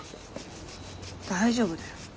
大丈夫だよ。